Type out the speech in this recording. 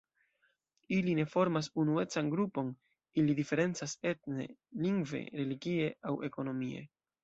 Ili ne formas unuecan grupon, ili diferencas etne, lingve, religie aŭ ekonomie.